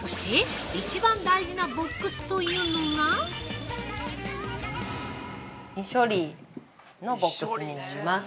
そして、１番大事なボックスというのが◆未処理のボックスになります。